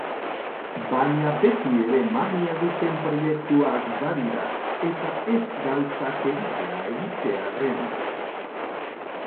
Baina beti ere mamia duten proiektuak badira, eta ez gauzak egitea egitearren.